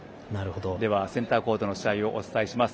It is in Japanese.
では、センターコートの試合をお伝えします。